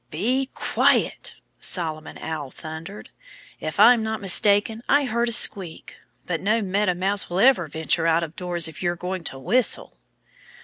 "Be quiet!" Solomon Owl thundered. "If I'm not mistaken I heard a squeak. But no Meadow Mouse will ever venture out of doors if you're going to whistle."